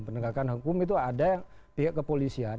pendegakan hukum itu ada yang kepolisian